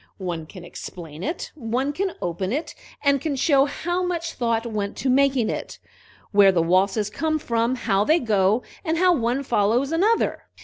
One can explain it; one can open it, and can show how much thought went to making it, where the waltzes come from, how they go, and how one follows another."